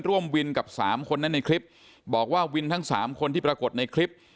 ร่วมวินกับสามคนนั้นในคลิปบอกว่าวินทั้งสามคนที่ปรากฏในคลิป